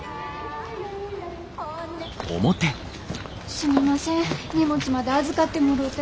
すみません荷物まで預かってもろうて。